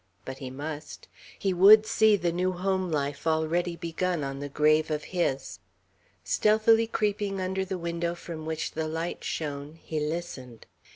But he must. He would see the new home life already begun on the grave of his. Stealthily creeping under the window from which the light shone, he listened.